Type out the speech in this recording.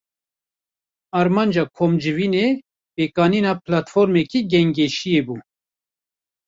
Armanca komcivînê, pêkanîna platformeke gengeşiyê bû